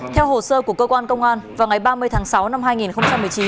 theo hồ sơ của cơ quan công an vào ngày ba mươi tháng sáu năm hai nghìn một mươi chín